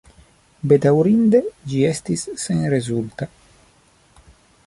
Bedaŭrinde ĝi estis senrezulta.